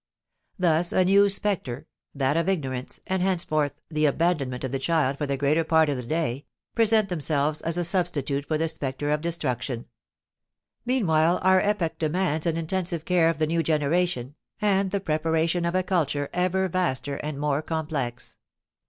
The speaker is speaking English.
Thus a new specter, that of ignorance, and henceforth the abandonment of the child for the greater part of the day, present themselves as a substitute for the specter of destruction. Meanwhile our epoch demands an intensive care of the new generation, and the preparation of a culture ever vaster and more complex.